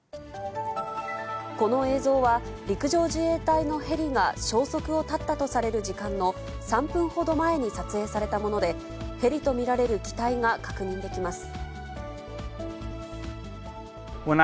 この映像は、陸上自衛隊のヘリが消息を絶ったとされる時間の３分ほど前に撮影されたもので、ヘリと見られる機体が確認できます。